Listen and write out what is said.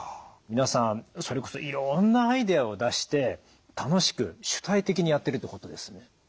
皆さんそれこそいろんなアイデアを出して楽しく主体的にやってるってことですね。